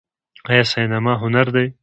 آیا سینما هنر دی؟